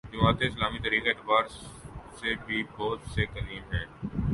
جماعت اسلامی تاریخی اعتبار سے بھی سب سے قدیم ہے۔